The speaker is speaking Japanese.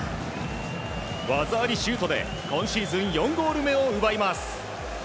技ありシュートで今シーズン４ゴール目を奪います。